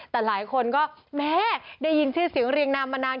แต่หลายคนก็แม่ได้ยินชื่อเสียงเรียงนามมานาน